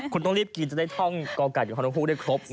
คุณต้องรีบกินจะได้ท่องกอลไกรด์หรือฮอลโนโฮได้ครบ